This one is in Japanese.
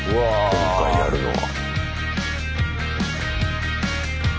今回やるのは。